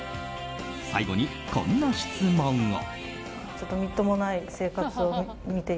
最後にこんな質問を。